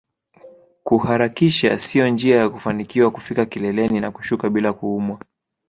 Kuharakisha sio njia ya kufanikiwa kufika kileleni na kushuka bila kuumwa